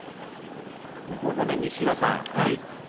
向正面の西岩さん